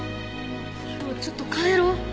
今日はちょっと帰ろう。